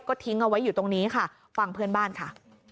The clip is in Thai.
ก็ทิ้งเอาไว้อยู่ตรงนี้ค่ะฟังเพื่อนบ้านค่ะ